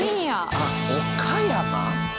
あっ岡山？